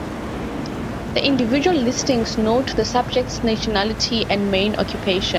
The individual listings note the subject's nationality and main occupation.